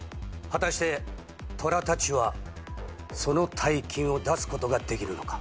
果たして虎たちはその大金を出すことができるのか。